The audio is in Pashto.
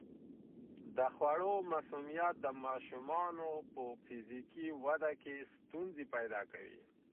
د خوړو مسمومیت د ماشومانو په فزیکي وده کې ستونزې پیدا کوي.